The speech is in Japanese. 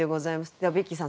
ではベッキーさん